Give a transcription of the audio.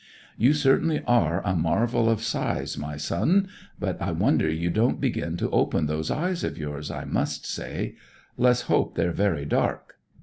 "You certainly are a marvel of size, my son; but I wonder you don't begin to open those eyes of yours, I must say. Let's hope they're very dark.